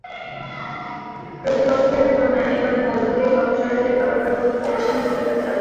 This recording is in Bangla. প্রতিবছরের তুলনায় এবার ভালোভাবেই পথচারীদের পারাপার করতে পেরেছেন বলে তাঁর দাবি।